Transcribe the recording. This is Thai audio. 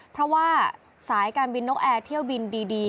เพราะว่าสายการบินนกแอร์เที่ยวบินดี